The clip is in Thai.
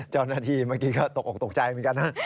เจ้าหน้าที่เมื่อกี้ก็ตกออกตกใจเหมือนกันนะ